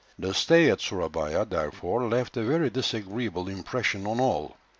The stay at Surabaya, therefore, left a very disagreeable impression on all.